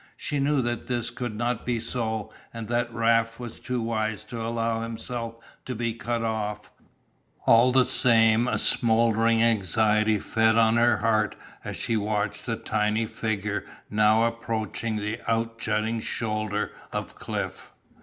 She knew that this could not be so and that Raft was too wise to allow himself to be cut off, all the same a smouldering anxiety fed on her heart as she watched the tiny figure now approaching the out jutting shoulder of cliff.